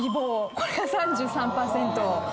これが３３％。